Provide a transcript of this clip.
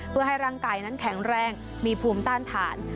เพื่อให้ร่างกายนั้นแข็งแรงมีภูมิต้านฐาน